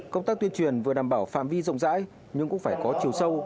công tác tuyên truyền vừa đảm bảo phạm vi rộng rãi nhưng cũng phải có chiều sâu